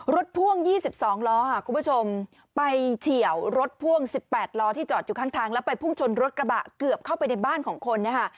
พ่วง๒๒ล้อค่ะคุณผู้ชมไปเฉียวรถพ่วง๑๘ล้อที่จอดอยู่ข้างทางแล้วไปพุ่งชนรถกระบะเกือบเข้าไปในบ้านของคนนะคะ